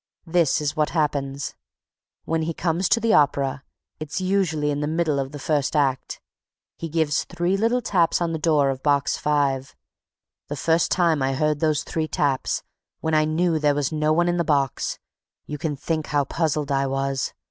This is what happens: When he comes to the opera, it's usually in the middle of the first act. He gives three little taps on the door of Box Five. The first time I heard those three taps, when I knew there was no one in the box, you can think how puzzled I was!